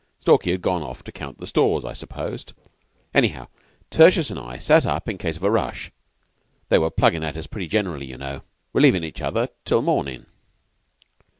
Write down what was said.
Stalky had gone off to count the stores, I supposed. Anyhow, Tertius and I sat up in case of a rush (they were plugging at us pretty generally, you know), relieving each other till the mornin'.